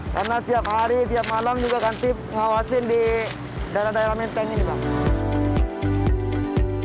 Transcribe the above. karena tiap hari tiap malam juga kantif ngawasin di daerah daerah menteng ini bang